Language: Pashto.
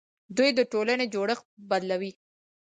دوی د ټولنې جوړښت بدلوي.